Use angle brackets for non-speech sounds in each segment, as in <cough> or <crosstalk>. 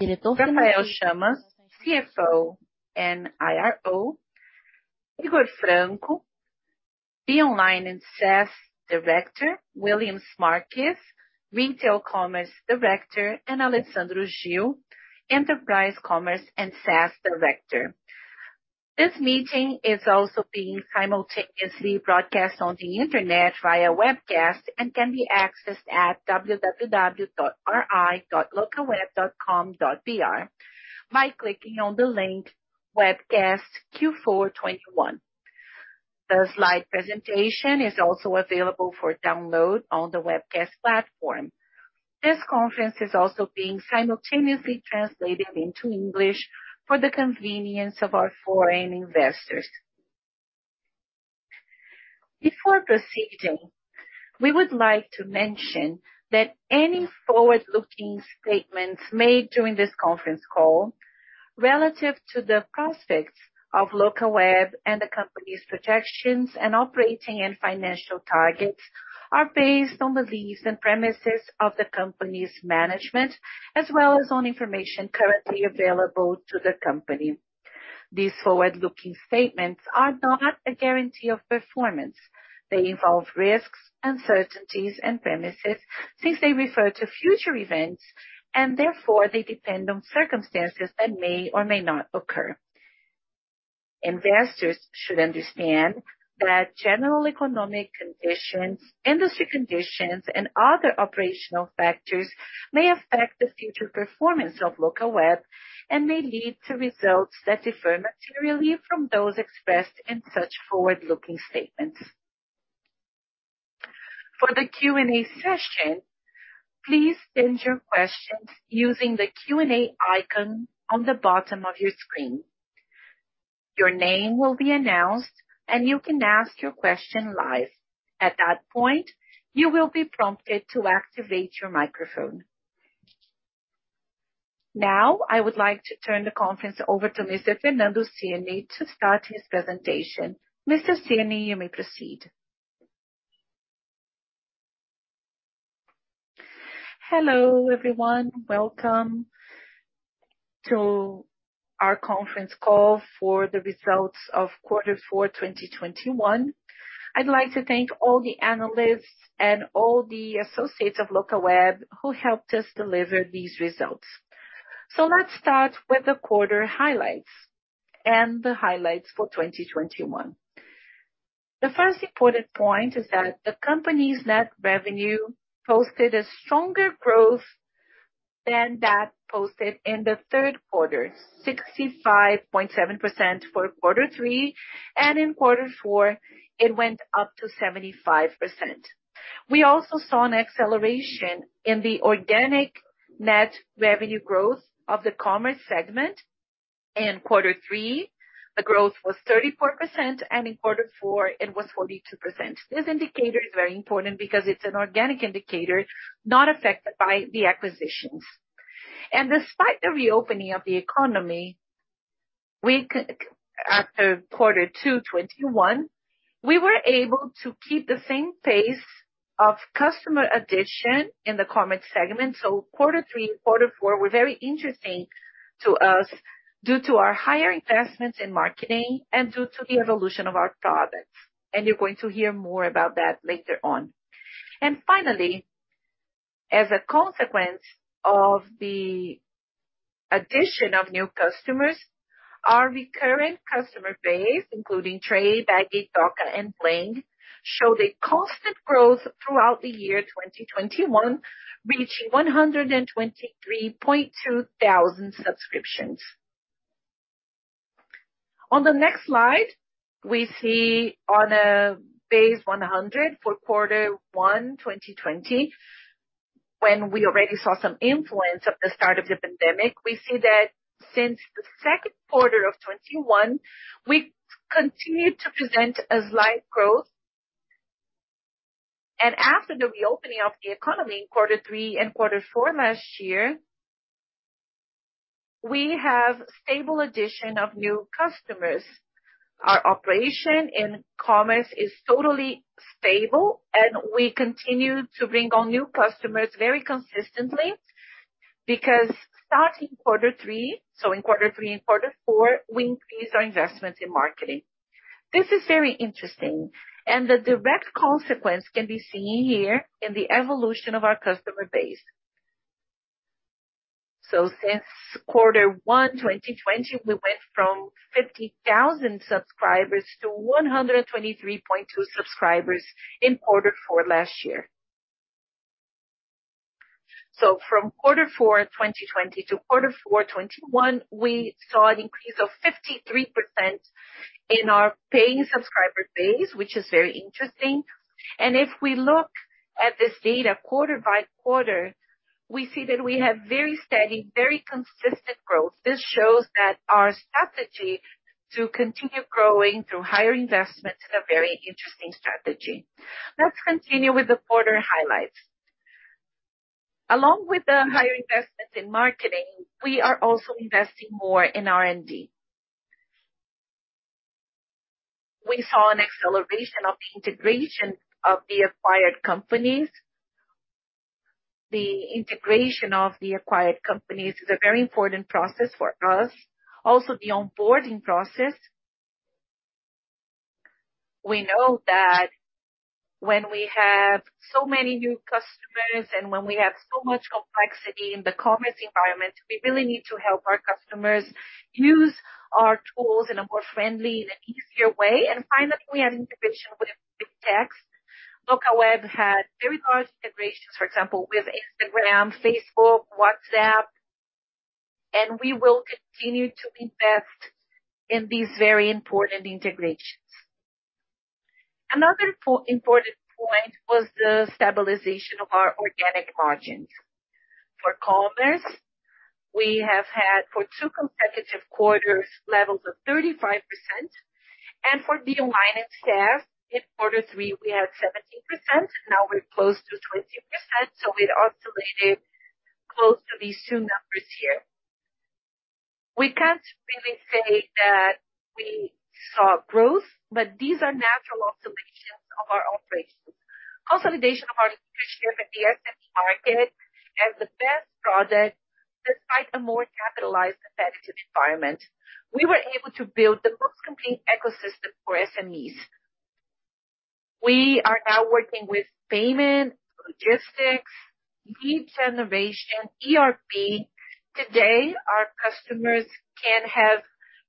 ...Rafael Chamas, CFO and IRO. Higor Franco, BeOnline and SaaS Director. Willians Marques, Retail Commerce Director, and Alessandro Gil, Enterprise, Commerce, and SaaS Director. This meeting is also being simultaneously broadcast on the internet via webcast and can be accessed at www.ri.locaweb.com.br by clicking on the link Webcast Q4 2021. The slide presentation is also available for download on the webcast platform. This conference is also being simultaneously translated into English for the convenience of our foreign investors. Before proceeding, we would like to mention that any forward-looking statements made during this conference call relative to the prospects of Locaweb and the company's projections and operating and financial targets are based on the views and premises of the company's management, as well as on information currently available to the company. These forward-looking statements are not a guarantee of performance. They involve risks, uncertainties, and premises, since they refer to future events and therefore they depend on circumstances that may or may not occur. Investors should understand that general economic conditions, industry conditions, and other operational factors may affect the future performance of Locaweb and may lead to results that differ materially from those expressed in such forward-looking statements. For the Q&A session, please send your questions using the Q&A icon on the bottom of your screen. Your name will be announced, and you can ask your question live. At that point, you will be prompted to activate your microphone. Now, I would like to turn the conference over to Mr. Fernando Cirne to start his presentation. Mr. Cirne, you may proceed. Hello, everyone. Welcome to our conference call for the results of quarter four, 2021. I'd like to thank all the analysts and all the associates of Locaweb who helped us deliver these results. Let's start with the quarter highlights and the highlights for 2021. The first important point is that the company's net revenue posted a stronger growth than that posted in the third quarter, 65.7% for quarter three, and in quarter four, it went up to 75%. We also saw an acceleration in the organic net revenue growth of the Commerce segment. In quarter three, the growth was 34%, and in quarter four, it was 42%. This indicator is very important because it's an organic indicator not affected by the acquisitions. Despite the reopening of the economy, after quarter two, 2021, we were able to keep the same pace of customer addition in the Commerce segment. Quarter three and quarter four were very interesting to us due to our higher investments in marketing and due to the evolution of our products. You're going to hear more about that later on. Finally, as a consequence of the addition of new customers, our recurring customer base, including Tray, Bagy, Dooca, and Bling, showed a constant growth throughout the year 2021, reaching 123,200 subscriptions. On the next slide, we see on a base 100 for quarter one, 2020, when we already saw some influence of the start of the pandemic. We see that since the second quarter of 2021, we continued to present a slight growth. After the reopening of the economy in quarter three and quarter four last year, we have stable addition of new customers. Our operation in commerce is totally stable, and we continue to bring on new customers very consistently because starting quarter three, so in quarter three and quarter four, we increased our investments in marketing. This is very interesting, and the direct consequence can be seen here in the evolution of our customer base. So since quarter one, 2020, we went from 50,000 subscribers to 123,200 subscribers in quarter four last year. From quarter four, 2020 to quarter four, 2021, we saw an increase of 53% in our paying subscriber base, which is very interesting. If we look at this data quarter by quarter, we see that we have very steady, very consistent growth. This shows that our strategy to continue growing through higher investments is a very interesting strategy. Let's continue with the quarter highlights. Along with the higher investments in marketing, we are also investing more in R&D. We saw an acceleration of the integration of the acquired companies. The integration of the acquired companies is a very important process for us. Also the onboarding process. We know that when we have so many new customers and when we have so much complexity in the commerce environment, we really need to help our customers use our tools in a more friendly and easier way. Finally, we have integration with big tech. Locaweb had very large integrations, for example, with Instagram, Facebook, WhatsApp, and we will continue to invest in these very important integrations. Another important point was the stabilization of our organic margins. For commerce, we have had for two consecutive quarters levels of 35%. For the online and SaaS in quarter three we had 17%, now we're close to 20%. We've oscillated close to these two numbers here. We can't really say that we saw growth, but these are natural oscillations of our operations. Consolidation of our leadership in the SME market as the best product despite a more capitalized competitive environment. We were able to build the most complete ecosystem for SMEs. We are now working with payment, logistics, lead generation, ERP. Today, our customers can have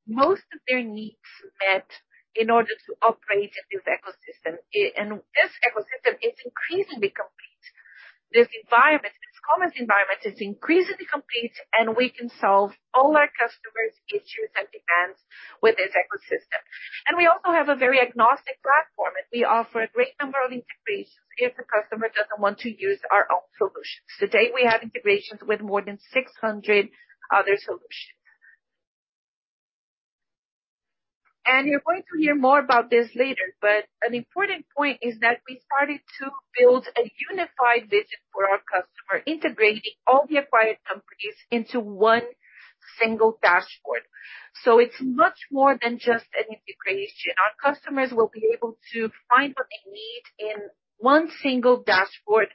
most of their needs met in order to operate in this ecosystem. This ecosystem is increasingly complete. This environment, this commerce environment is increasingly complete, and we can solve all our customers' issues and demands with this ecosystem. We also have a very agnostic platform, and we offer a great number of integrations if a customer doesn't want to use our own solutions. Today, we have integrations with more than 600 other solutions. You're going to hear more about this later, but an important point is that we started to build a unified vision for our customer, integrating all the acquired companies into one single dashboard. It's much more than just an integration. Our customers will be able to find what they need in one single dashboard.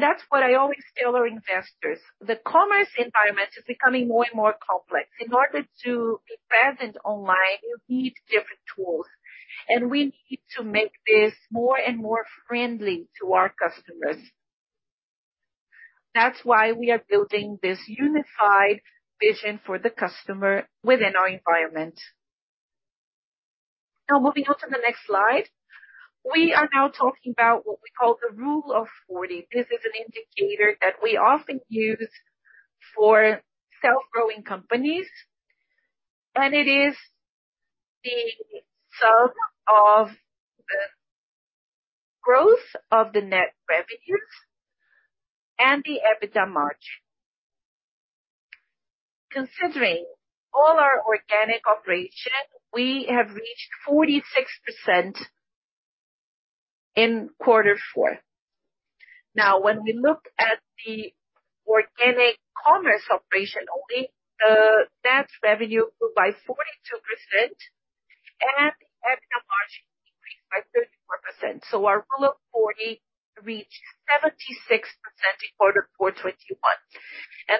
That's what I always tell our investors. The commerce environment is becoming more and more complex. In order to be present online, you need different tools, and we need to make this more and more friendly to our customers. That's why we are building this unified vision for the customer within our environment. Now, moving on to the next slide. We are now talking about what we call the Rule of 40. This is an indicator that we often use for self-growing companies, and it is the sum of the growth of the net revenues and the EBITDA margin. Considering all our organic operations, we have reached 46% in quarter four. Now, when we look at the organic commerce operation only, that revenue grew by 42% and the EBITDA margin increased by 34%. Our rule of 40 reached 76% in quarter four 2021.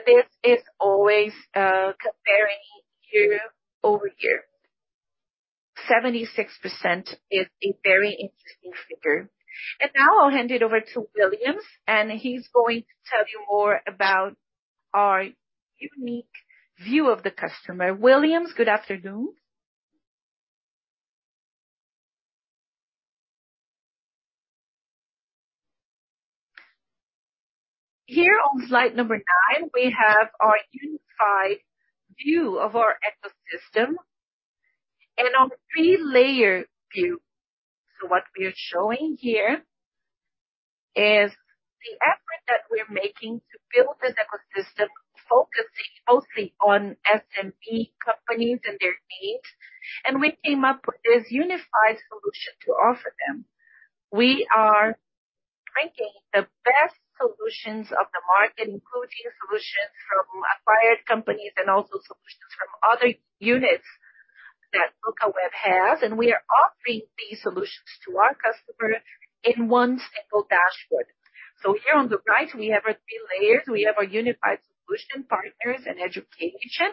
This is always comparing year-over-year. 76% is a very interesting figure. Now I'll hand it over to Willians, and he's going to tell you more about our unique view of the customer. Willians, good afternoon. Here on slide number nine, we have our unified view of our ecosystem and our three-layer view. What we are showing here is the effort that we're making to build this ecosystem, focusing mostly on SME companies and their needs. We came up with this unified solution to offer them. We are taking the best solutions of the market, including solutions from acquired companies and also solutions from other units that Locaweb has, and we are offering these solutions to our customers in one single dashboard. So here on the right we have our three layers. We have our unified solution partners and education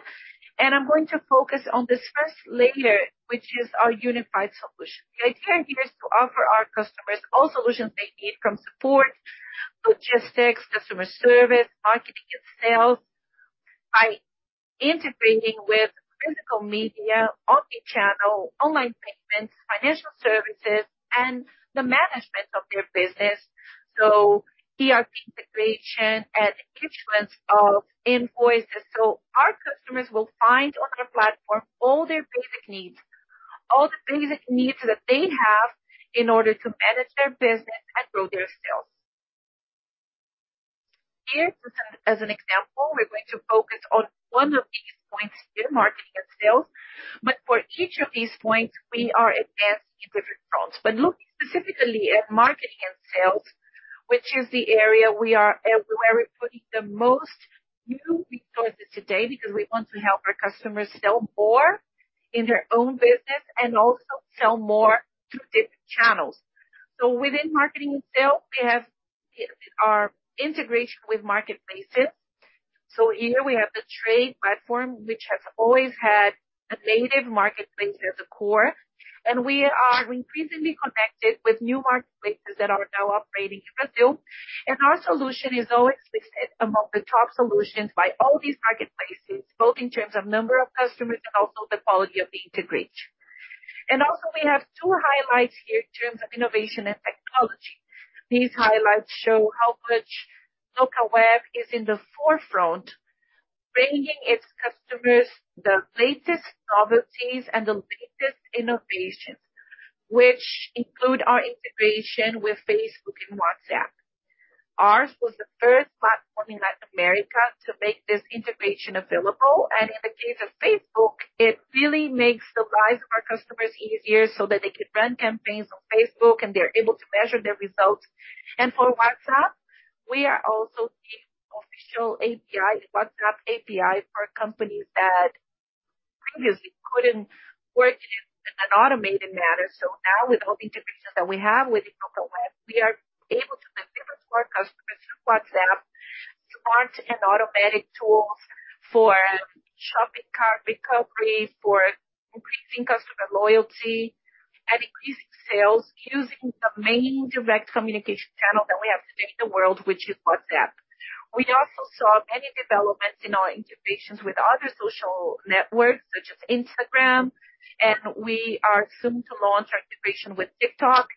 and I'm going to focus on this first layer, which is our unified solution. The idea here is to offer our customers all solutions they need from support, logistics, customer service, marketing and sales by integrating with physical media, omnichannel, online payments, financial services, and the management of their business. So, ERP integration and issuance of invoices. Our customers will find on our platform all their basic needs, all the basic needs that they have in order to manage their business and grow their sales. Here, as an example, we're going to focus on one of these points here, marketing and sales. For each of these points we are advancing different fronts. Looking specifically at marketing and sales, which is the area where we're putting the most new resources today because we want to help our customers sell more in their own business and also sell more to different channels. Within marketing and sales, we have our integration with marketplaces. Here we have the Tray platform, which has always had a native marketplace as a core. We are increasingly connected with new marketplaces that are now operating in Brazil. Our solution is always listed among the top solutions by all these marketplaces, both in terms of number of customers and also the quality of the integration. We have two highlights here in terms of innovation and technology. These highlights show how much Locaweb is in the forefront, bringing its customers the latest novelties and the latest innovations, which include our integration with Facebook and WhatsApp. Ours was the first platform in Latin America to make this integration available. In the case of Facebook, it really makes the lives of our customers easier so that they can run campaigns on Facebook, and they're able to measure their results. For WhatsApp, we are also the official API, WhatsApp API for companies that previously couldn't work in an automated manner. Now with all the integrations that we have with Locaweb, we are able to deliver to our customers through WhatsApp, smart and automatic tools for shopping cart recovery, for increasing customer loyalty and increasing sales using the main direct communication channel that we have today in the world, which is WhatsApp. We also saw many developments in our integrations with other social networks such as Instagram, and we are soon to launch our integration with TikTok.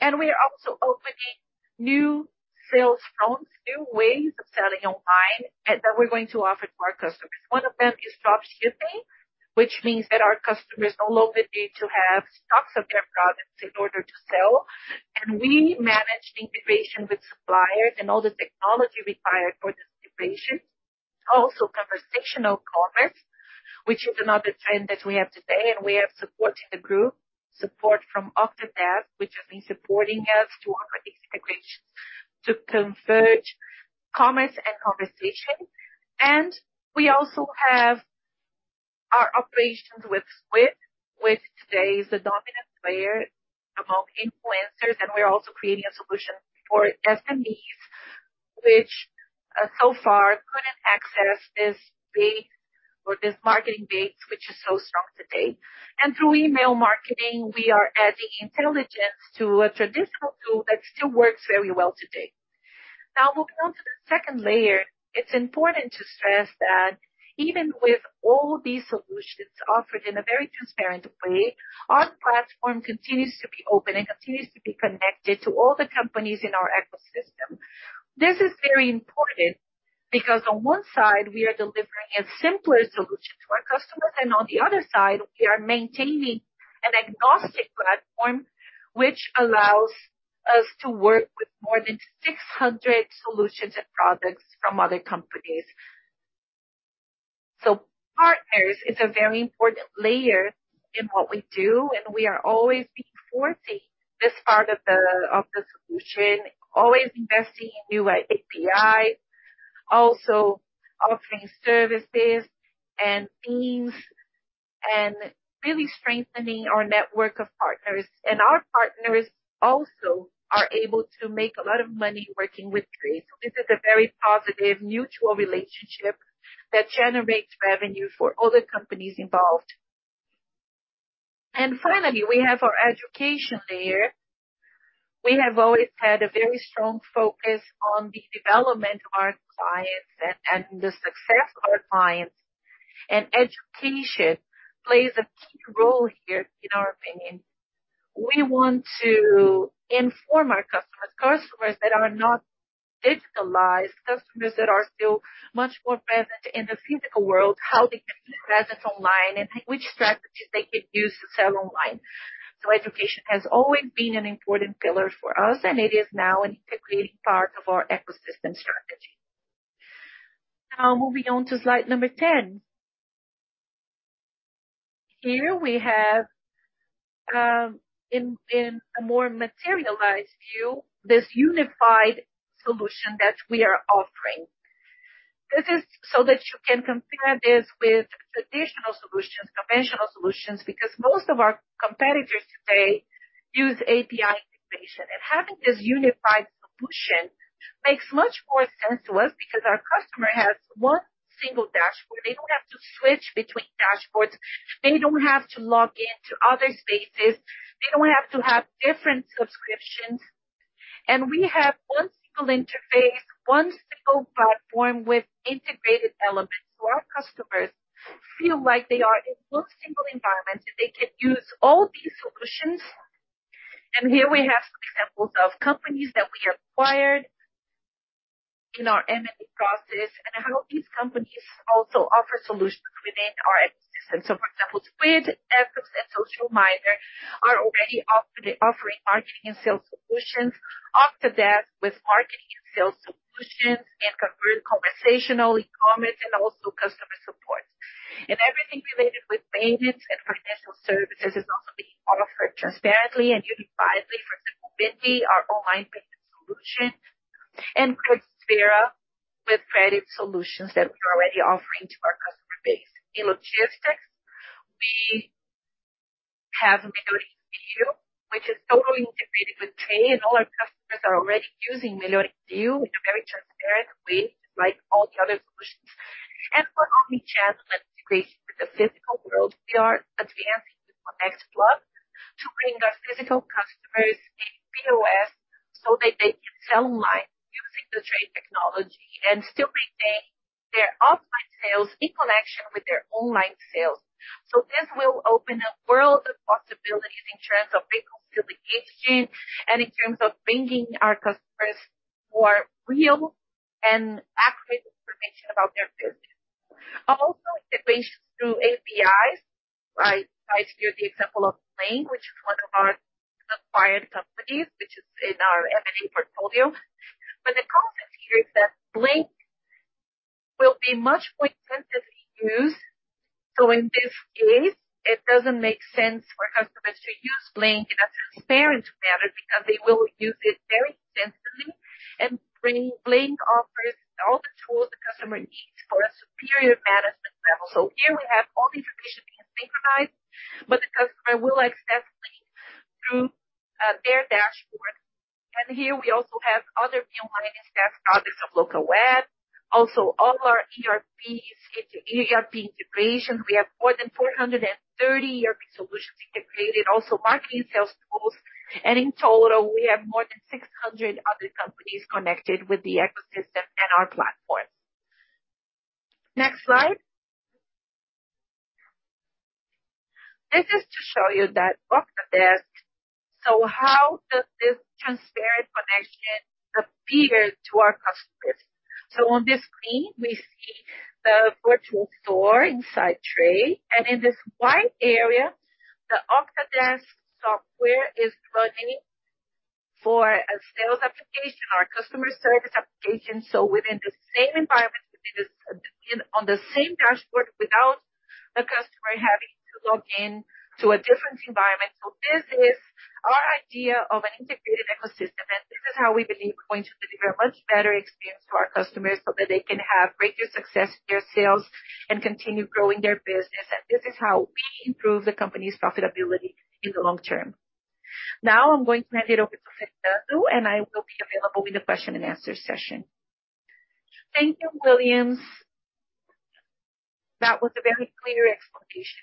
We are also opening new sales fronts, new ways of selling online and that we're going to offer to our customers. One of them is dropshipping, which means that our customers no longer need to have stocks of their products in order to sell. We manage the integration with suppliers and all the technology required for this integration. Also conversational commerce, which is another trend that we have today, and we have support in the group, support from Octadesk, which has been supporting us to offer these integrations to converge commerce and conversation. We also have our operations with Squid, which today is the dominant player among influencers. We are also creating a solution for SMEs which so far couldn't access this base or this marketing base, which is so strong today. Through email marketing we are adding intelligence to a traditional tool that still works very well today. Now, moving on to the second layer, it's important to stress that even with all these solutions offered in a very transparent way, our platform continues to be open and continues to be connected to all the companies in our ecosystem. This is very important because on one side, we are delivering a simpler solution to our customers, and on the other side, we are maintaining an agnostic platform which allows us to work with more than 600 solutions and products from other companies. So partners is a very important layer in what we do, and we are always reinforcing this part of the solution, always investing in new APIs, also offering services and themes and really strengthening our network of partners. Our partners also are able to make a lot of money working with Tray. This is a very positive mutual relationship that generates revenue for all the companies involved. Finally, we have our education layer. We have always had a very strong focus on the development of our clients and the success of our clients. Education plays a key role here in our opinion. We want to inform our customers that are not digitalized, customers that are still much more present in the physical world, how they can be present online and which strategies they can use to sell online. Education has always been an important pillar for us and it is now an integrated part of our ecosystem strategy. Now moving on to slide number 10. Here we have in a more materialized view, this unified solution that we are offering. This is so that you can compare this with traditional solutions, conventional solutions, because most of our competitors today use API integration. Having this unified solution makes much more sense to us because our customer has one single dashboard. They don't have to switch between dashboards. They don't have to log in to other spaces. They don't have to have different subscriptions. We have one single interface, one single platform with integrated elements. So our customers feel like they are in one single environment, and they can use all these solutions. Here we have some examples of companies that we acquired in our M&A process and how these companies also offer solutions within our ecosystem. For example, Squid, Etus and Social Miner are already offering marketing and sales solutions. Octadesk with marketing and sales solutions and conversational e-commerce and also customer support. Everything related with payments and financial services is also being offered transparently and unifiedly. For example, Vindi, our online payment solution, and Credisfera with credit solutions that we are already offering to our customer base. In logistics, we have Melhor Envio, which is totally integrated with Tray and all our customers are already using Melhor Envio in a very transparent way like all the other solutions. For omnichannel integration with the physical world, we are advancing with ConnectPlug to bring our physical customers a POS so that they can sell online using the Tray technology and still maintain their offline sales in connection with their online sales. This will open a world of possibilities in terms of people's and in terms of bringing our customers more real and accurate information about their business. Integrations through APIs, right? I give you the example of Bling, which is one of our acquired companies, which is in our M&A portfolio. The concept here is that Bling will be much more extensively used. In this case, it doesn't make sense for customers to use Bling in a transparent manner because they will use it very extensively. Bling offers all the tools the customer needs for a superior management level. Here we have all the integration being synchronized, but the customer will access Bling through their dashboard. Here we also have other <audio distortion> that's part of Locaweb. All our ERPs, ERP integrations. We have more than 430 ERP solutions integrated, also marketing sales tools. And in total, we have more than 600 other companies connected with the ecosystem and our platform. Next slide. This is to show you that Octadesk. How does this transparent connection appear to our customers? On this screen we see the virtual store inside Tray, and in this white area, the Octadesk software is running for a sales application, our customer service application. Within the same environment, on the same dashboard, without the customer having to log in to a different environment. This is our idea of an integrated ecosystem, and this is how we believe we're going to deliver a much better experience to our customers so that they can have greater success in their sales and continue growing their business. This is how we improve the company's profitability in the long term. Now I'm going to hand it over to Fernando, and I will be available in the question-and-answer session. Thank you, Willians. That was a very clear explanation.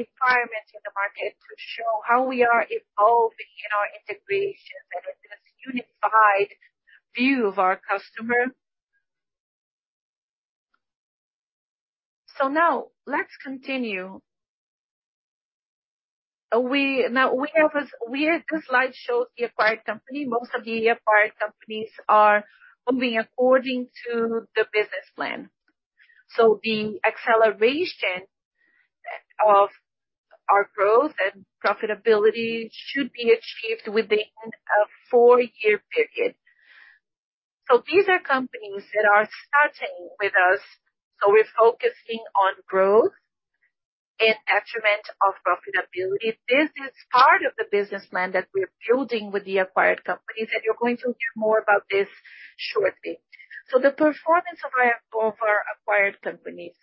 We had this requirement in the market to show how we are evolving in our integrations and in this unified view of our customer. Now let's continue. This slide shows the acquired company. Most of the acquired companies are only according to the business plan. The acceleration of our growth and profitability should be achieved within a four-year period. These are companies that are starting with us. We're focusing on growth and achievement of profitability. This is part of the business plan that we're building with the acquired companies, and you're going to hear more about this shortly. The performance of our acquired companies.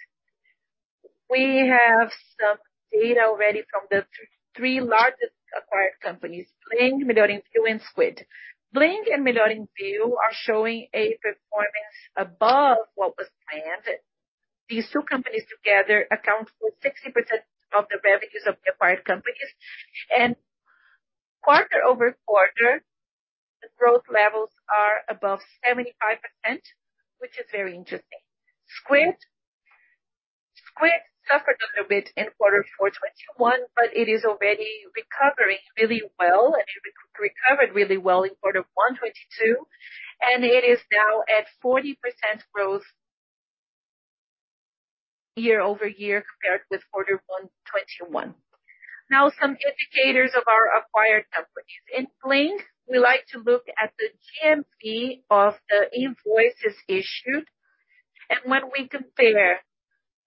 We have some data already from the three largest acquired companies, Bling, Melhor Envio and Squid. Bling and Melhor Envio are showing a performance above what was planned. These two companies together account for 60% of the revenues of the acquired companies. Quarter-over-quarter, the growth levels are above 75%, which is very interesting. Squid suffered a little bit in quarter four 2021, but it is already recovering really well, actually recovered really well in quarter one 2022, and it is now at 40% growth year-over-year compared with quarter one 2021. Now some indicators of our acquired companies. In Bling, we like to look at the GMV of the invoices issued. When we compare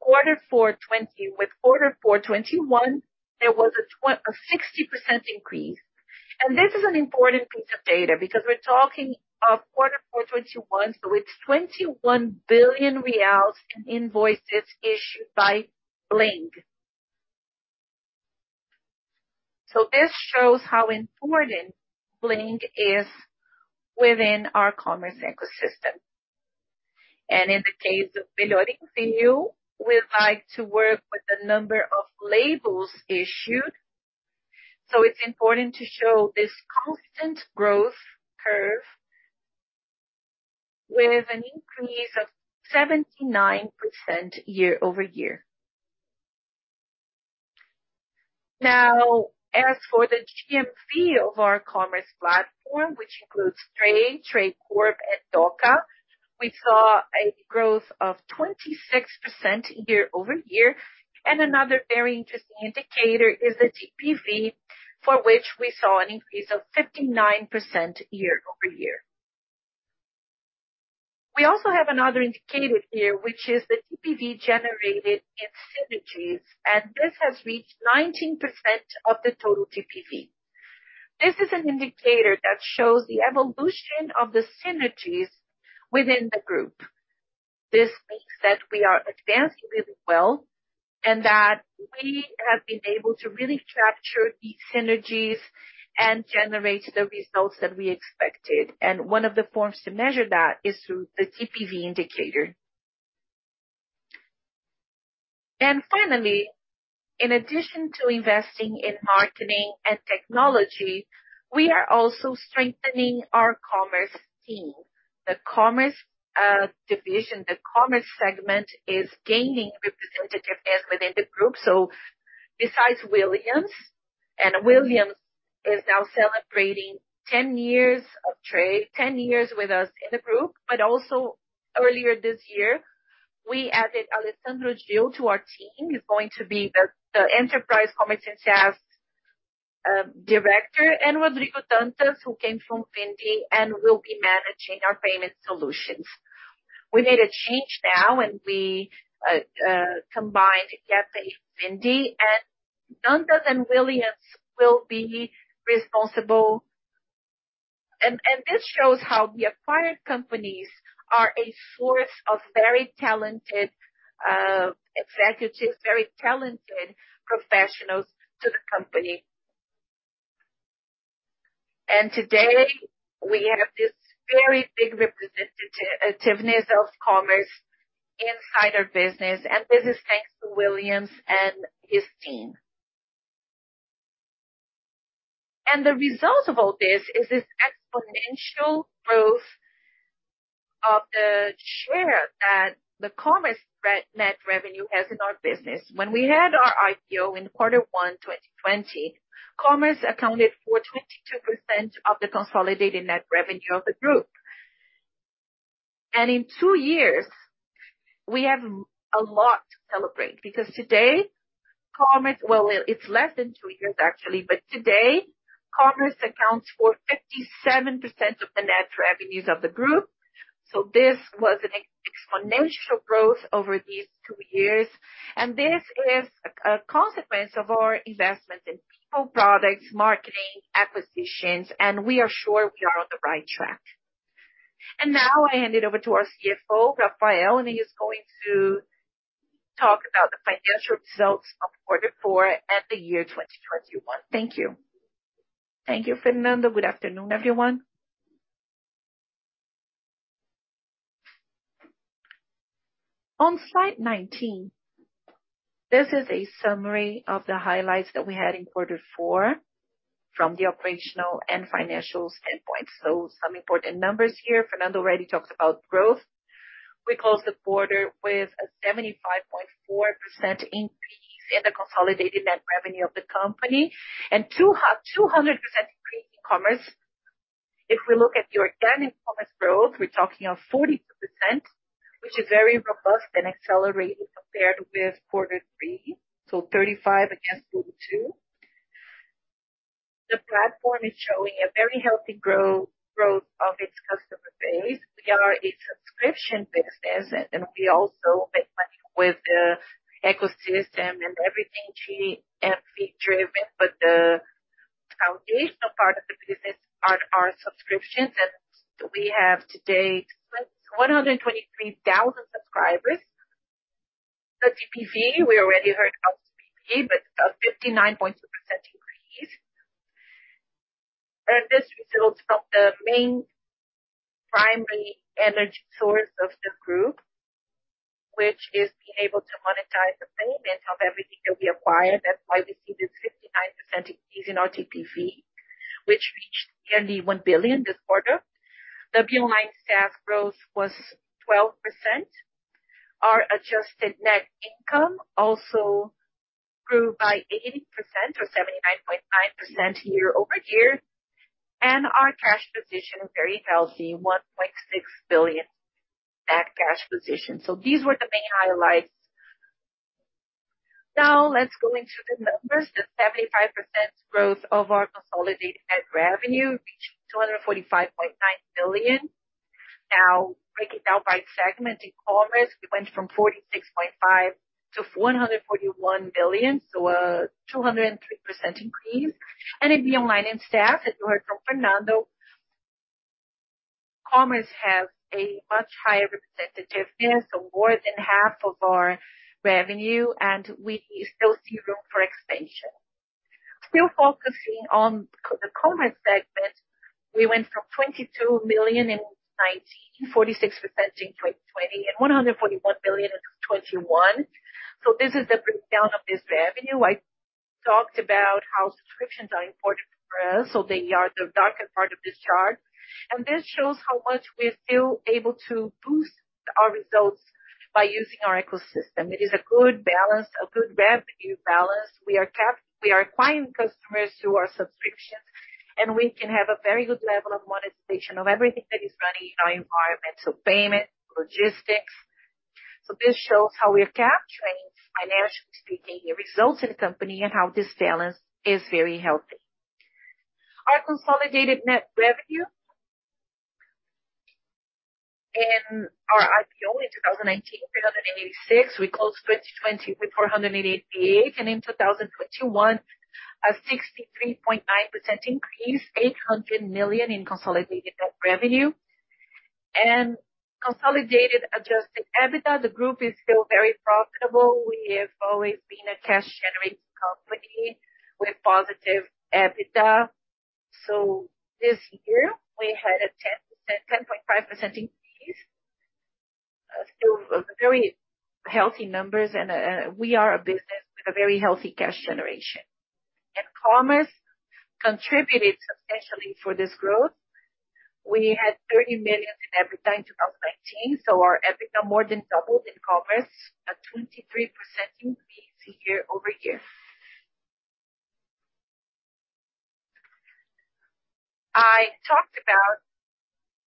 quarter four 2020 with quarter four 2021, there was a 60% increase. This is an important piece of data because we're talking of quarter four 2021. It's 21 billion reals invoices issued by Bling. This shows how important Bling is within our commerce ecosystem. In the case of Melhor Envio, we like to work with the number of labels issued, so it's important to show this constant growth curve with an increase of 79% year-over-year. Now as for the GMV of our commerce platform, which includes Tray Corp and Dooca, we saw a growth of 26% year-over-year. Another very interesting indicator is the TPV, for which we saw an increase of 59% year-over-year. We also have another indicator here, which is the TPV generated in synergies, and this has reached 19% of the total TPV. This is an indicator that shows the evolution of the synergies within the group. This means that we are advancing really well and that we have been able to really capture these synergies and generate the results that we expected. One of the forms to measure that is through the TPV indicator. Finally, in addition to investing in marketing and technology, we are also strengthening our Commerce team. The Commerce division, the Commerce segment is gaining representativeness within the group. Besides Willians is now celebrating 10 years of Tray, 10 years with us in the group. Also earlier this year, we added Alessandro Gil to our team. He's going to be the Enterprise Commerce and SaaS Director. Rodrigo Dantas, who came from Vindi and will be managing our Payment solutions. We made a change now, and we combined Yapay and Vindi, and Dantas and Willians will be responsible. And this shows how the acquired companies are a source of very talented executives, very talented professionals to the company. Today, we have this very big representativeness of Commerce inside our business. This is thanks to Willians and his team. The result of all this is this exponential growth of the share that the Commerce net revenue has in our business. When we had our IPO in Q1 2020, Commerce accounted for 22% of the consolidated net revenue of the group. In two years, we have a lot to celebrate, because today, Commerce—well, it's less than two years actually, but today Commerce accounts for 57% of the net revenues of the group. This was an exponential growth over these two years, and this is a consequence of our investment in people, products, marketing, acquisitions, and we are sure we are on the right track. Now I hand it over to our CFO, Rafael, and he is going to talk about the financial results of quarter four and the year 2021. Thank you. Thank you, Fernando. Good afternoon, everyone. On slide 19, this is a summary of the highlights that we had in quarter four from the operational and financial standpoint. Some important numbers here. Fernando already talked about growth. We closed the quarter with a 75.4% increase in the consolidated net revenue of the company and 200% increase in Commerce. If we look at the organic Commerce growth, we're talking of 42%, which is very robust and accelerated compared with quarter three, so 35% against 22%. The platform is showing a very healthy growth of its customer base. We are a subscription business, and we also make money with the ecosystem and everything GMV driven. The foundational part of the business are our subscriptions, and we have today 123,000 subscribers. The TPV, we already heard about TPV, but a 59.2% increase. This results from the main primary energy source of the group, which is being able to monetize the payments of everything that we acquired. That's why we see this 59% increase in our TPV, which reached nearly 1 billion this quarter. The BeOnline and SaaS growth was 12%. Our adjusted net income also grew by 80% or 79.9% year-over-year. Our cash position, very healthy, 1.6 billion cash position. These were the main highlights. Now let's go into the numbers. The 75% growth of our consolidated net revenue reached 245.9 million. Now breaking down by segment. In Commerce, we went from 46.5 million to 441 million, so, 203% increase. In BeOnline and SaaS, as you heard from Fernando, Commerce has a much higher representativeness, so more than half of our revenue, and we still see room for expansion. Still focusing on the Commerce segment, we went from 22 million in 2019, 46 million in 2020, and 141 million in 2021. This is the breakdown of this revenue. I talked about how subscriptions are important for us, so they are the darker part of this chart. This shows how much we're still able to boost our results by using our ecosystem. It is a good balance, a good revenue balance. We are acquiring customers through our subscriptions, and we can have a very good level of monetization of everything that is running in our environment. This shows how we are capturing financial and strategic results in the company and how this balance is very healthy. Our consolidated net revenue in our IPO in 2019, 386 million. We closed 2020 with 488 million. In 2021, a 63.9% increase, 800 million in consolidated net revenue. Consolidated Adjusted EBITDA, the group is still very profitable. We have always been a cash generating company with positive EBITDA. This year we had a 10.5% increase. Still a very healthy number and we are a business with a very healthy cash generation. Commerce contributed substantially for this growth. We had 30 million in EBITDA in 2019, so our EBITDA more than doubled in Commerce at 23% increase year-over-year. I talked about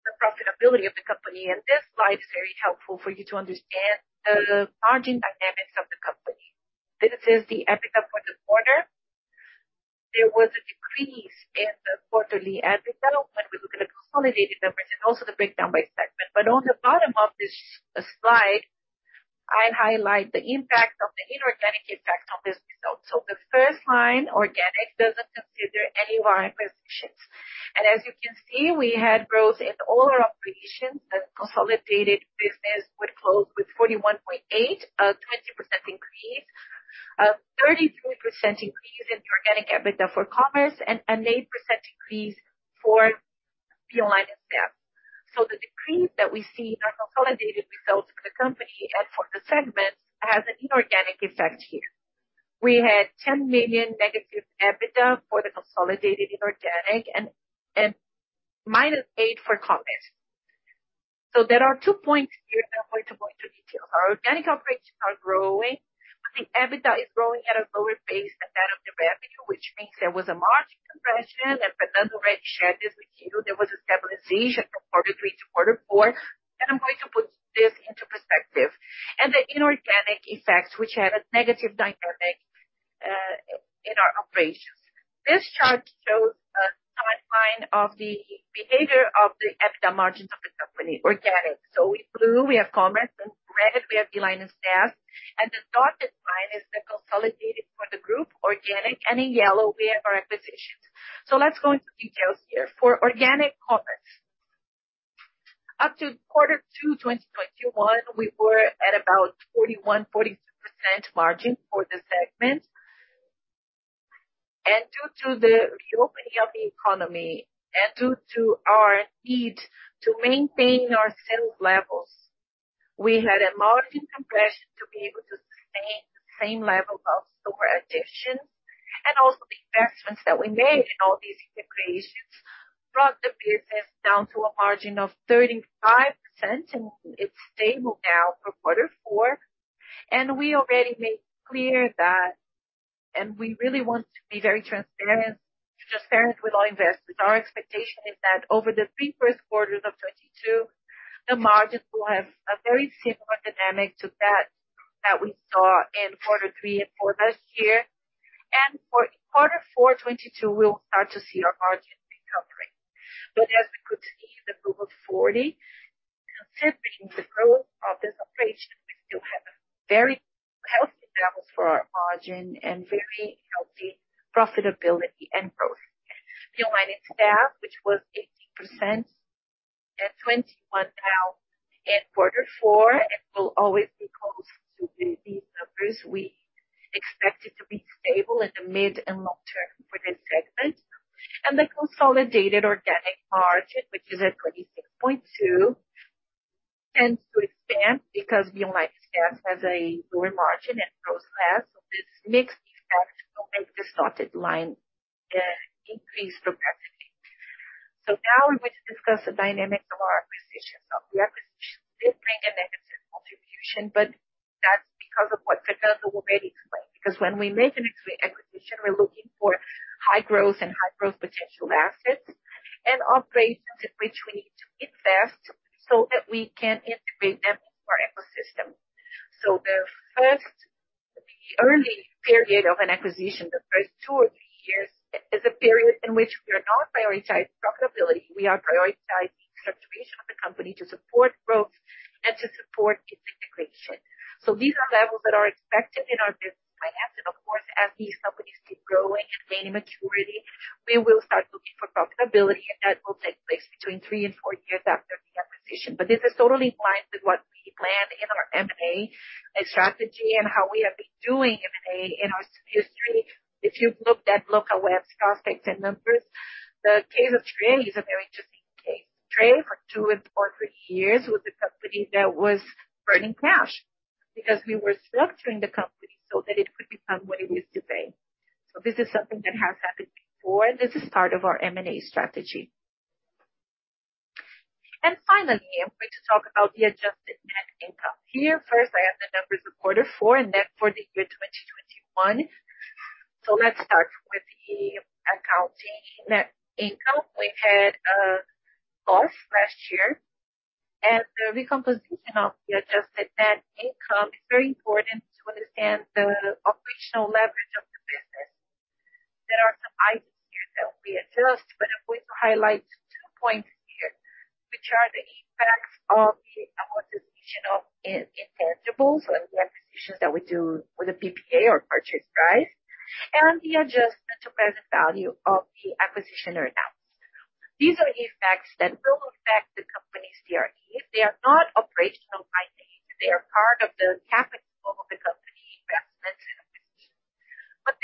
the profitability of the company, and this slide is very helpful for you to understand the margin dynamics of the company. This is the EBITDA for the quarter. There was a decrease in the quarterly EBITDA when we look at the consolidated numbers and also the breakdown by segment. On the bottom of this slide, I highlight the impact of the inorganic impact on this result. The first line, organic, doesn't consider any line acquisitions. As you can see, we had growth in all our operations, and consolidated business would close with 41.8 million, 20% increase, 33% increase in organic EBITDA for Commerce and an 8% increase for BeOnline and SaaS. The decrease that we see in our consolidated results for the company and for the segment has an inorganic effect here. We had -10 million EBITDA for the consolidated inorganic and -8 million for Commerce. There are two points here that I'm going to go into detail. Our organic operations are growing, but the EBITDA is growing at a lower pace than that of the revenue, which means there was a margin compression. Fernando already shared this with you. There was a stabilization from quarter three to quarter four, and I'm going to put this into perspective. The inorganic effects, which had a negative dynamic in our operations. This chart shows a timeline of the behavior of the EBITDA margins of the company, organic. In blue we have Commerce, in red we have BeOnline and SaaS, and the dotted line is the consolidated for the group organic, and in yellow we have our acquisitions. Let's go into details here. For organic Commerce, up to quarter two, 2021, we were at about 41%, 42% margin for the segment. Due to the reopening of the economy and due to our need to maintain our sales levels, we had a margin compression to be able to sustain the same level of store additions. Also the investments that we made in all these integrations brought the business down to a margin of 35%, and it's stable now for quarter four. We already made clear that, and we really want to be very transparent with our investors. Our expectation is that over the first three quarters of 2022, the margin will have a very similar dynamic to that we saw in quarter three and four last year. For quarter four 2022 we'll start to see our margin recovering. As we could see in the Rule of 40, considering the growth of this operation, we still have very healthy levels for our margin and very healthy profitability and growth. Beyond that, which was 18% and 21% now in quarter four, it will always be close to these numbers. We expect it to be stable in the mid and long term for this segment. The consolidated organic margin, which is at 26.2%, tends to expand because BeOnline and SaaS has a lower margin and grows less. This mixed effect will make the dotted line increase progressively. Now we're going to discuss the dynamics of our acquisitions. The acquisitions did bring a negative contribution, but that's because of what Fernando already explained. When we make an equity acquisition, we're looking for high growth and high growth potential assets and operations in which we need to invest so that we can integrate them into our ecosystem. The early period of an acquisition, the first two or three years, is a period in which we are not prioritizing profitability. We are prioritizing the integration of the company to support growth and to support its integration. These are levels that are expected in our business plans. Of course, as these companies keep growing and gaining maturity, we will start looking for profitability, and that will take place between three and four years after the acquisition. This is totally in line with what we planned in our M&A strategy and how we have been doing M&A in our history. If you've looked at Locaweb's prospects and numbers, the case of Tray is a very interesting case. Tray for 2.25 years was a company that was burning cash because we were structuring the company so that it could become what it is today. This is something that has happened before, and this is part of our M&A strategy. Finally, I'm going to talk about the adjusted net income. Here first I have the numbers of quarter four and then for the year 2021. So let's start with the accounting net income. We had loss last year, and the recomposition of the adjusted net income is very important to understand the operational leverage of the business. There are some items here that we adjust, but I'm going to highlight two points here, which are the impacts of the amortization of intangibles and the acquisitions that we do with the PPA or purchase price, and the adjustment to present value of the acquisition announced. These are effects that will affect the company's CRE. They are not operational items. They are part of the capital of the company investments in acquisitions.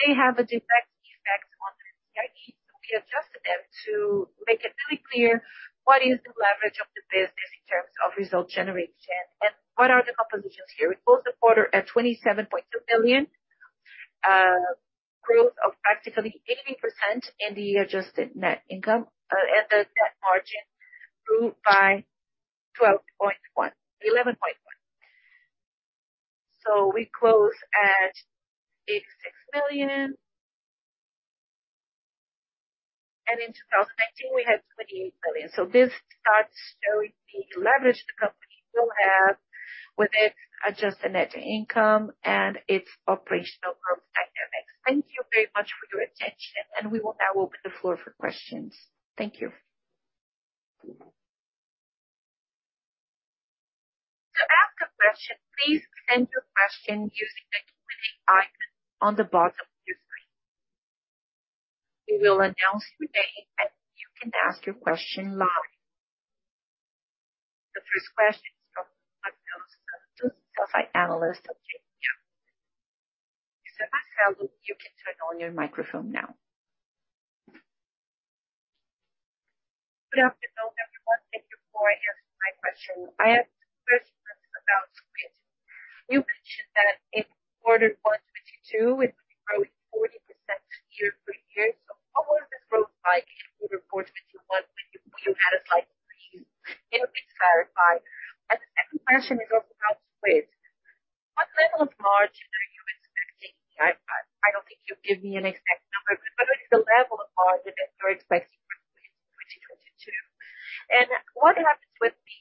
They have a direct effect on the CRE, so we adjusted them to make it really clear what is the leverage of the business in terms of result generation and what are the compositions here. We closed the quarter at 27.2 billion, growth of practically 80% in the adjusted net income. The net margin grew by 12.1%—11.1%. We close at 86 million. In 2019 we had 28 million. This starts showing the leverage the company will have with its adjusted net income and its operational growth dynamics. Thank you very much for your attention. We will now open the floor for questions. Thank you. We will announce your name and you can ask your question live. The first question is from Marcelo Santos, the Sell-Side Analyst of JPMorgan. Marcelo, you can turn on your microphone now. Good afternoon, everyone. Thank you for taking my question. I have two questions about Squid. You mentioned that in Q1 2022 it will be growing 40% year-over-year. How is this growth like if we report 2021 when you had a slight decrease in repeat clarify. The second question is also about Squid. What level of margin are you expecting? I don't think you give me an exact number, but what is the level of margin that you're expecting for Squid in 2022? What happens with the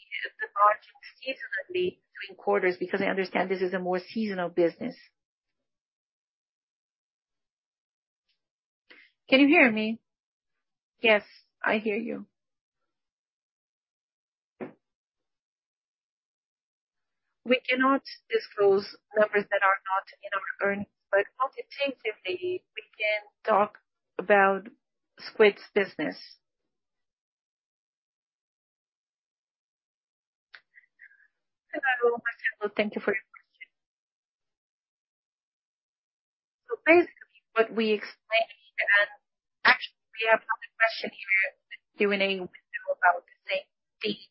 margin seasonally between quarters? Because I understand this is a more seasonal business. Can you hear me? Yes, I hear you. We cannot disclose numbers that are not in our earnings, but qualitatively we can talk about Squid's business. Hello, Marcelo. Thank you for your question. Basically what we explained here, and actually we have another question here in the Q&A window about the same thing.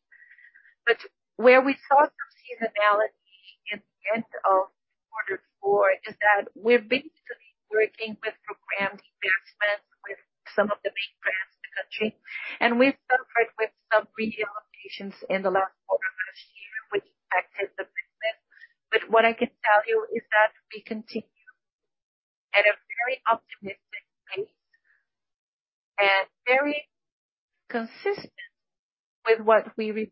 Where we saw some seasonality in the end of quarter four is that we're basically working with programmed investments with some of the big brands in the country. We suffered with some reallocations in the last quarter of last year, which impacted the business. What I can tell you is that we continue at a very optimistic pace and very consistent with what we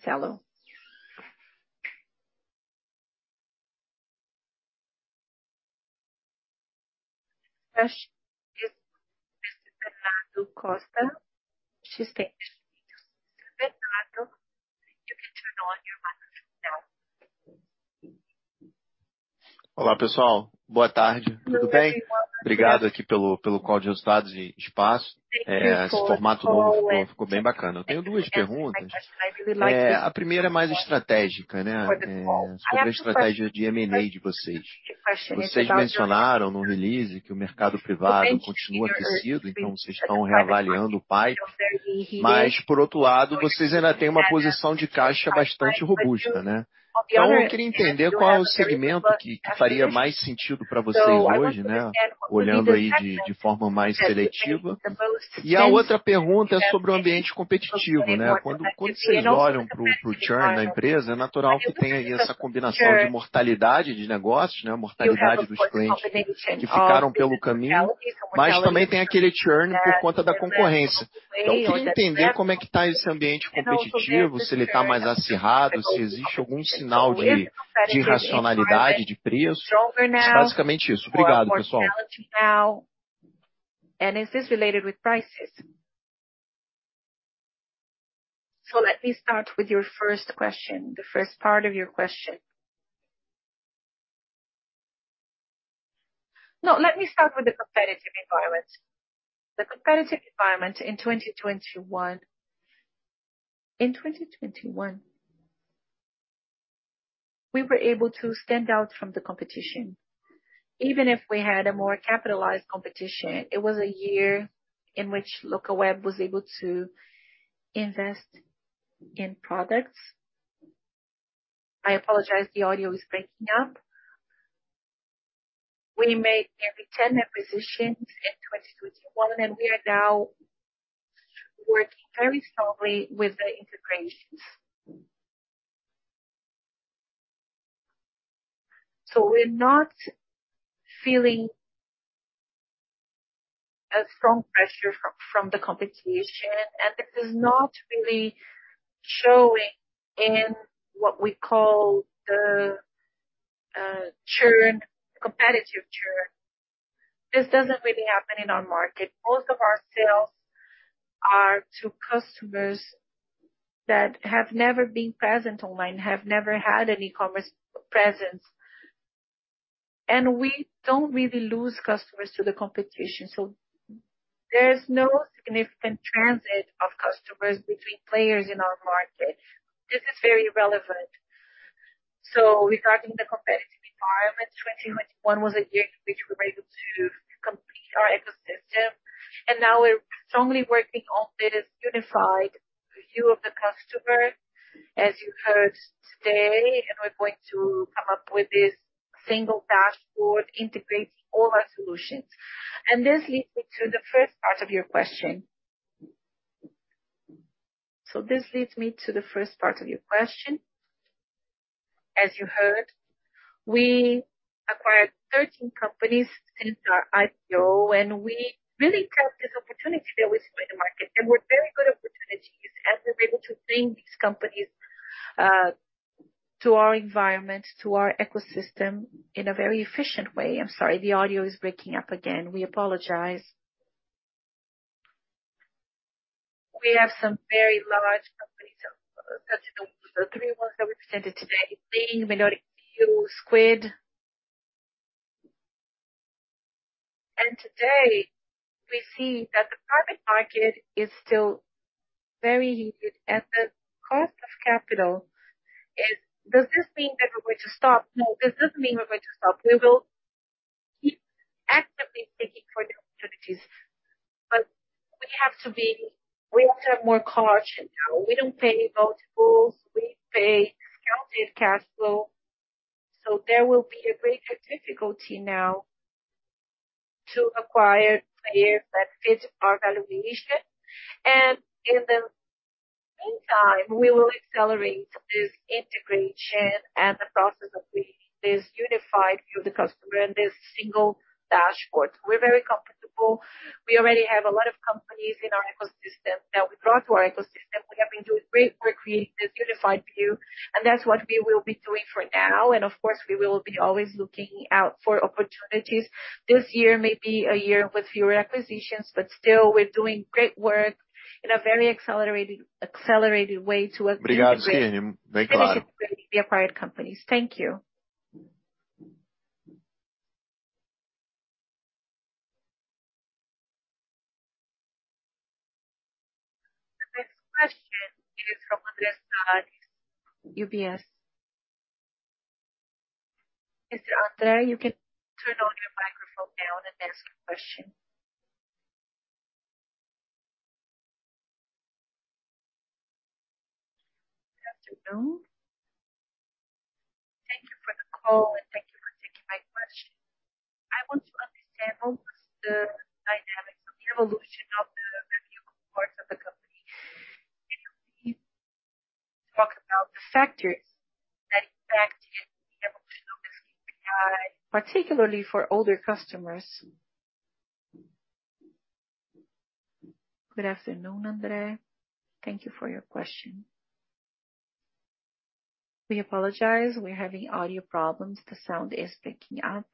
reported in our earnings. The margin, it had a lot to do with the type of structural organization that we created in the end of last year and the start of 2022, always focusing on growth. We have growth that is consistent to what we have been reporting. Of course, we expect to have higher margins looking forward this year. Thank you. Thank you, Marcelo. Next is Bernardo [Guttmann, XP Investimentos]. Bernardo, you can turn on your microphone now. Olá pessoal. Boa tarde. Tudo bem? Obrigado aqui pelo call de resultados e espaço. Esse formato novo ficou bem bacana. Eu tenho duas perguntas. A primeira é mais estratégica, né, sobre a estratégia de M&A de vocês. Vocês mencionaram no release que o mercado privado continua aquecido, então vocês estão reavaliando o pipe. Mas por outro lado, vocês ainda têm uma posição de caixa bastante robusta, né? Então eu queria entender qual é o segmento que faria mais sentido pra vocês hoje, né, olhando aí de forma mais seletiva. A outra pergunta é sobre o ambiente competitivo, né. Quando vocês olham pro churn da empresa, é natural que tenha aí essa combinação de mortalidade de negócios, né, mortalidade dos clientes que ficaram pelo caminho, mas também tem aquele churn por conta da concorrência. Eu queria entender como é que tá esse ambiente competitivo, se ele tá mais acirrado, se existe algum sinal de racionalidade de preço. É basicamente isso. Obrigado, pessoal. And is this related with prices? Let me start with your first question, the first part of your question. No, let me start with the competitive environment. The competitive environment in 2021. In 2021, we were able to stand out from the competition, even if we had a more capitalized competition. It was a year in which Locaweb was able to invest in products. I apologize, the audio is breaking up. We made 10 acquisitions in 2021, and we are now working very strongly with the integrations. We're not feeling a strong pressure from the competition, and this is not really showing in what we call the churn, competitive churn. This doesn't really happen in our market. Most of our sales are to customers that have never been present online, have never had an e-commerce presence. We don't really lose customers to the competition. There's no significant transit of customers between players in our market. This is very relevant. Regarding the competitive environment, 2021 was a year in which we were able to complete our ecosystem, and now we're strongly working on this unified view of the customer, as you heard today. We're going to come up with this single dashboard integrating all our solutions. This leads me to the first part of your question. As you heard, we acquired 13 companies since our IPO, and we really took this opportunity that we saw in the market. They were very good opportunities, and we were able to bring these companies to our environment, to our ecosystem in a very efficient way. I'm sorry the audio is breaking up again. We apologize. We have some very large companies that's in the three ones that we presented today being Social Miner, Etus, Squid. Today we see that the private market is still very heated and the cost of capital is. Does this mean that we're going to stop? No. This doesn't mean we're going to stop. We will keep actively seeking for new opportunities. We have to have more caution now. We don't pay any multiples. We pay discounted cash flow. There will be a greater difficulty now to acquire players that fit our valuation. In the meantime, we will accelerate this integration and the process of creating this unified view of the customer and this single dashboard. We're very comfortable. We already have a lot of companies in our ecosystem that we brought to our ecosystem. We have been doing great work creating this unified view, and that's what we will be doing for now. Of course, we will be always looking out for opportunities. This year may be a year with fewer acquisitions, but still we're doing great work in a very accelerated way to integrate the acquired companies. Thank you. The next question is from Andre Salles, UBS. Mr. Andre, you can turn on your microphone now and ask your question. Good afternoon. Thank you for the call, and thank you for taking my question. I want to understand what's the dynamics of the evolution of the revenue growth of the company. Can you please talk about the factors that impacted the evolution of this KPI, particularly for older customers? Good afternoon, Andre. Thank you for your question. We apologize. We're having audio problems. The sound is breaking up.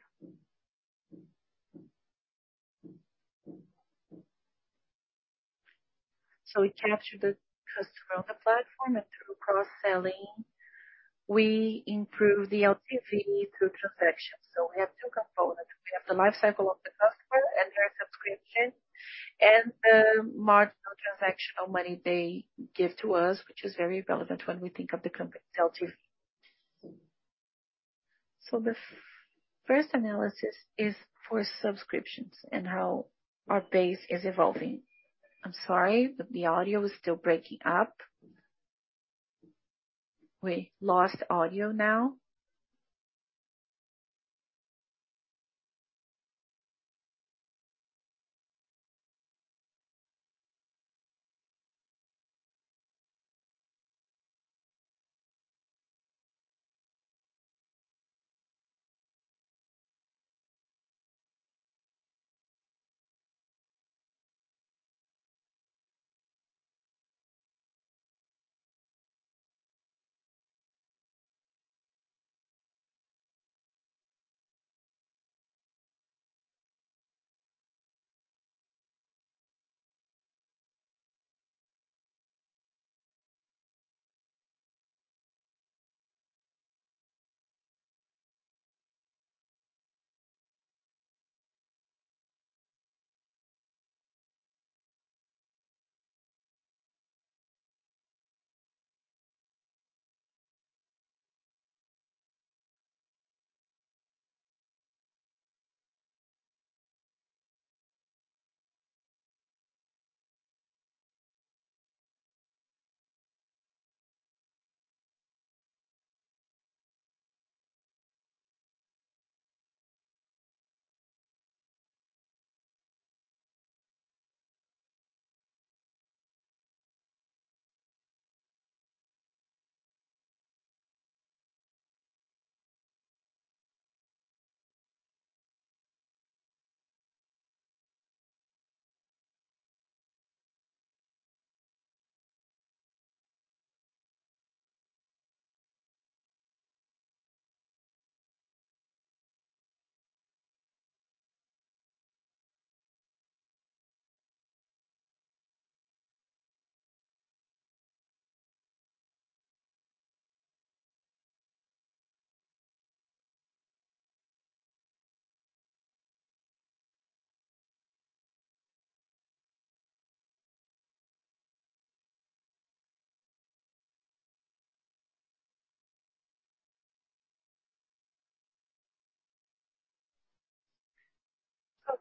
We captured the customer on the platform and through cross-selling. We improved the TPV through transactions. We have two components. We have the life cycle of the customer and their subscription and the marginal transactional money they give to us, which is very relevant when we think of the TPV. The first analysis is for subscriptions and how our base is evolving. I'm sorry, but the audio is still breaking up. We lost audio now.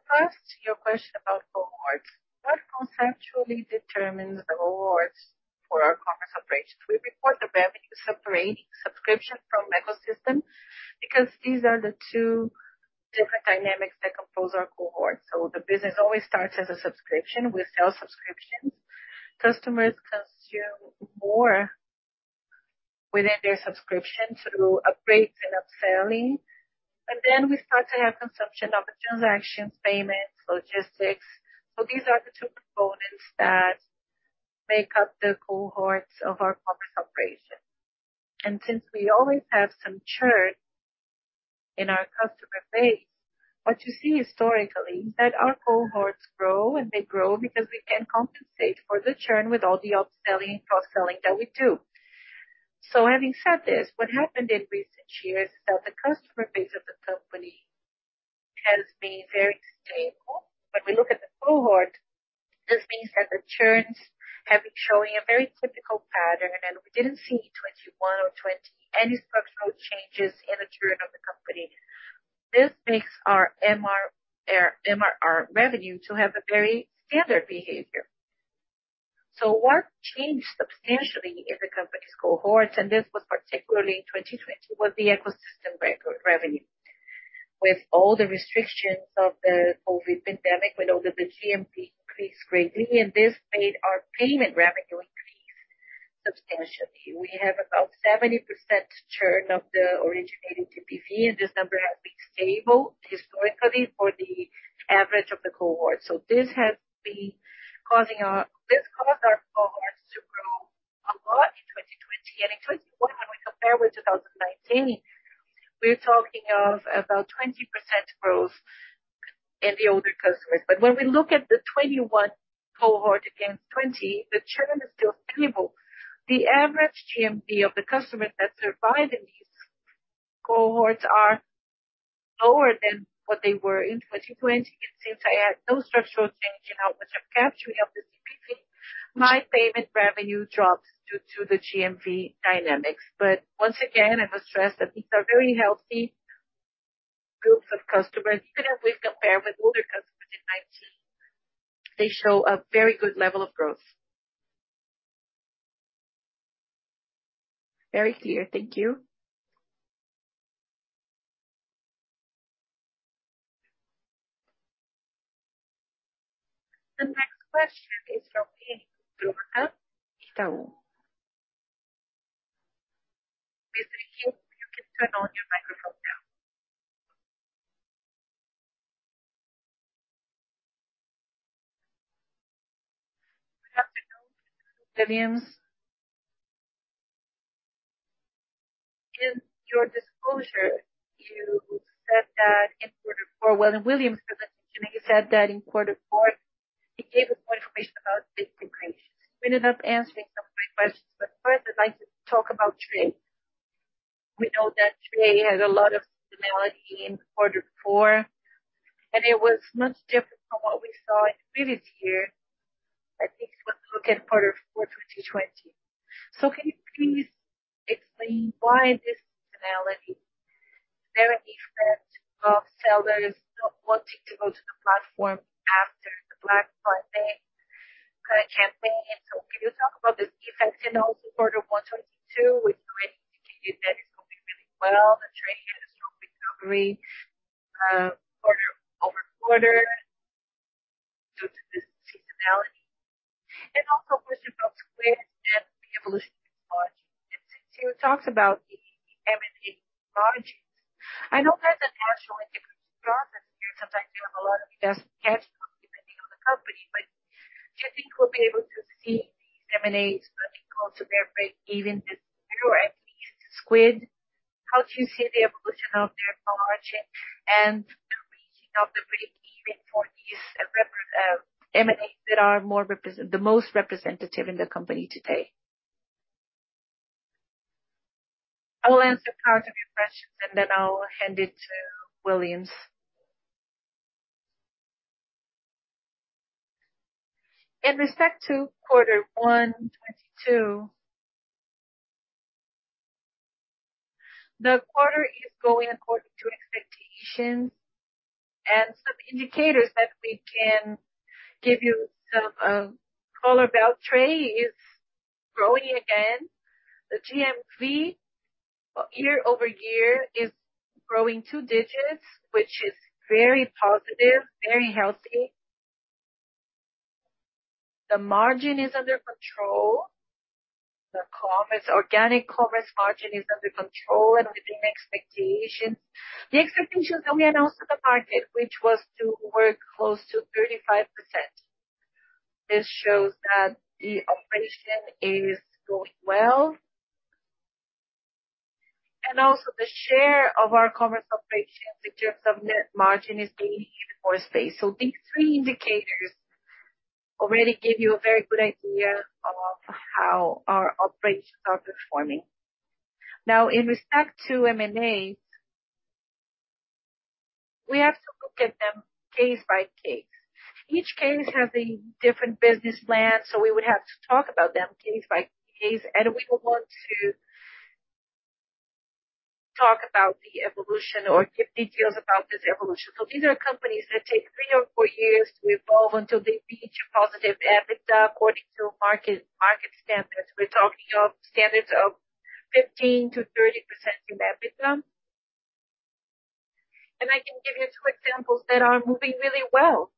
First, your question about cohorts. What conceptually determines the cohorts for our commerce operations? We report the revenue separating subscription from ecosystem because these are the two different dynamics that compose our cohort. The business always starts as a subscription. We sell subscriptions. Customers consume more within their subscription through upgrades and upselling. We start to have consumption of transactions, payments, logistics. These are the two components that make up the cohorts of our commerce operation. Since we always have some churn in our customer base, what you see historically is that our cohorts grow, and they grow because we can compensate for the churn with all the upselling and cross-selling that we do. Having said this, what happened in recent years is that the customer base of the company has been very stable. When we look at the cohort, this means that the churns have been showing a very typical pattern, and we didn't see in 2021 or 2020 any structural changes in the churn of the company. This makes our MRR revenue to have a very standard behavior. What changed substantially in the company's cohorts, and this was particularly in 2020, was the ecosystem revenue. With all the restrictions of the COVID pandemic, we know that the GMV increased greatly, and this made our payment revenue increase substantially. We have about 70% churn of the originating TPV, and this number has been stable historically for the average of the cohort. This caused our cohorts to grow a lot in 2020. In 2021, when we compare with 2019, we're talking of about 20% growth in the older customers. When we look at the 2021 cohort against 2020, the churn is still stable. The average GMV of the customers that survive in these cohorts are lower than what they were in 2020. Since I had no structural change in how much [inaudible audio], my payment revenue drops due to the GMV dynamics. But once again, I must stress that these are very healthy groups of customers. Even if we compare with older customers in 2019, they show a very good level of growth. Very clear. Thank you. The next question is from Enrico Trotta [from Itaú BBA]. You can turn on your microphone now. Willians, in your disclosure, you said that in quarter four, when Willians presentation, he said that in quarter four—he gave us more information about Bling integrations. We ended up answering some of my questions. First, I'd like to talk about Tray. We know that Tray had a lot of seasonality in quarter four, and it was much different from what we saw in previous years, at least when looking at quarter four, 2020. Can you please explain why this seasonality is there, an effect of sellers not wanting to go to the platform after the Black Friday campaign? Can you talk about this effect? Also quarter one, 2022, with you indicating that it's going really well, the Tray had a strong recovery, quarter-over-quarter due to this seasonality. Also a question about Squid and the evolution of technology. Since you talked about the M&A margins, I know there's a natural integration process here. Sometimes you have a lot of invest-cash flow depending on the company. But do you think we'll be able to see these M&As looking also their break even this year, at least Squid? How do you see the evolution of technology and the break even for these M&As that are the most representative in the company today. I will answer a couple of your questions and then I'll hand it to Willians. In respect to quarter one 2022, the quarter is going according to expectations and some indicators that we can give you some color about Tray is growing again. The GMV year-over-year is growing two digits, which is very positive, very healthy. The margin is under control. The organic Commerce margin is under control and within expectations. The expectations that we announced to the market, which was to work close to 35%. This shows that the operation is going well. Also the share of our commerce operations in terms of net margin is staying even or steady. These three indicators already give you a very good idea of how our operations are performing. Now, in respect to M&As, we have to look at them case by case. Each case has a different business plan, so we would have to talk about them case by case. We would want to talk about the evolution or give details about this evolution. These are companies that take three or four years to evolve until they reach positive EBITDA according to market standards. We're talking of standards of 15%-30% in EBITDA. I can give you two examples that are moving really well.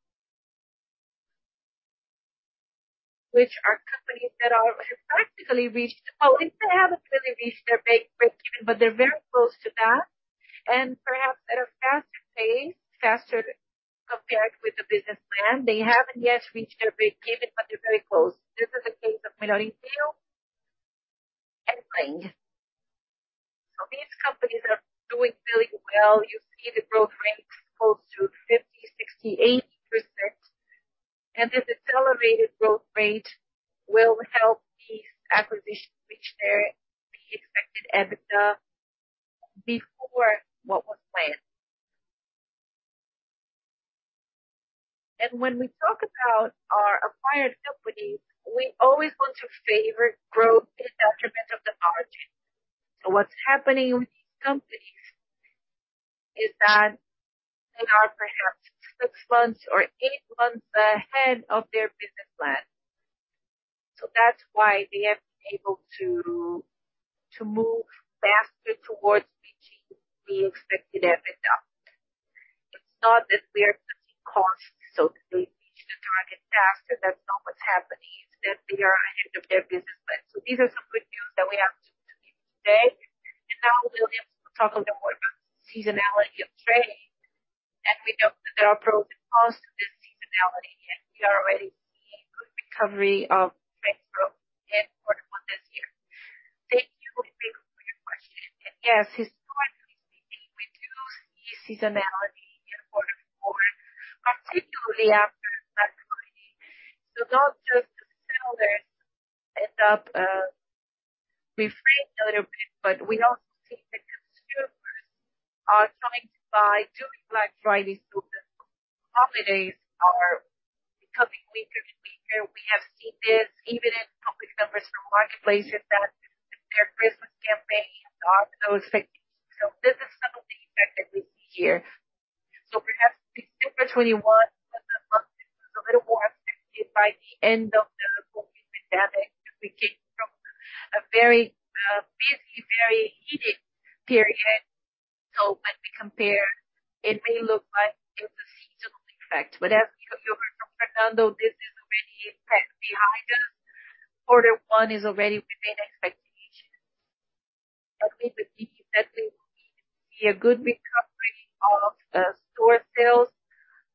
Which are companies that have practically reached. Well, if they haven't really reached their breakeven, but they're very close to that and perhaps at a faster pace, faster compared with the business plan. They haven't yet reached their breakeven, but they're very close. This is the case of Melhor Envio and Bling. These companies are doing really well. You see the growth rates close to 50%, 60%, 80%. This accelerated growth rate will help these acquisitions reach their expected EBITDA before what was planned. When we talk about our acquired companies, we always want to favor growth in detriment of the margin. What's happening with these companies is that they are perhaps six months or eight months ahead of their business plan. That's why they have been able to move faster towards reaching the expected EBITDA. It's not that we are cutting costs so that they reach the target faster. That's not what's happening. It's that they are ahead of their business plan. These are some good news that we have to give today. Now Willians will talk a little more about seasonality of trading. We know that there are problems caused by seasonality, and we are already seeing good recovery of growth in quarter one this year. Thank you. Thank you for your question. Yes, historically speaking, we do see seasonality in quarter four, particularly after Black Friday. Not just the sellers end up reframed a little bit, but we also see the consumers are trying to buy during Black Friday. The holidays are becoming weaker and weaker. We have seen this even in public numbers from marketplace that their Christmas campaign and all those things. This is some of the effect that we see here. Perhaps December 2021 was a month that was a little more affected by the end of the COVID pandemic, because we came from a very busy, very heated period. When we compare, it may look like it was seasonal effect. As you heard from Fernando, this is already a trend behind us. Quarter one is already within expectations. We believe that we will see a good recovery of store sales,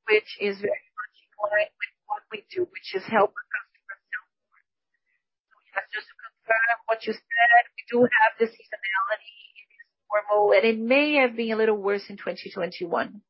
which is very much in line with what we do, which is help customers sell more. Yes, just to confirm what you said, we do have the seasonality. It is normal, and it may have been a little worse in 2021.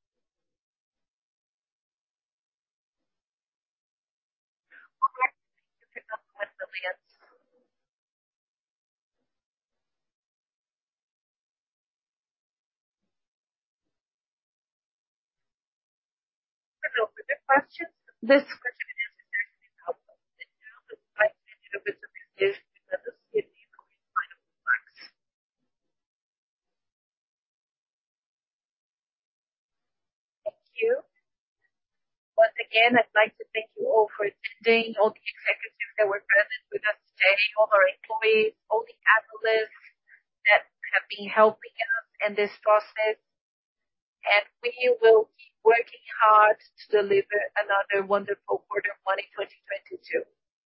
<audio distortion> Once again, I'd like to thank you all for attending, all the executives that were present with us today, all our employees, all the analysts that have been helping us in this process. We will be working hard to deliver another wonderful quarter one in 2022.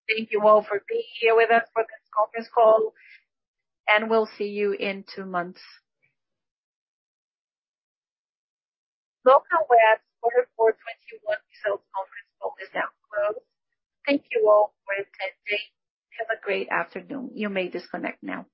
Thank you all for being here with us for this conference call, and we'll see you in two months. Locaweb's quarter four 2021 sales conference call is now closed. Thank you all for attending. Have a great afternoon. You may disconnect now.